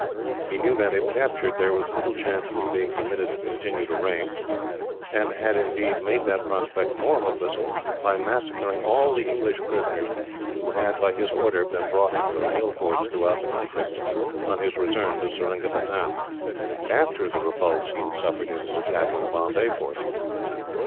He knew that, if captured, there was little chance of his being permitted to continue to reign; and had, indeed, made that prospect more hopeless, by massacring all the English prisoners who had, by his order, been brought in from the hill forts throughout the country on his return to Seringapatam, after the repulse he had suffered in his attack on the Bombay force.